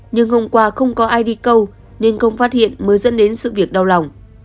nhưng hôm qua không có ai đi câu nên công phát hiện mới dẫn đến sự việc đau lòng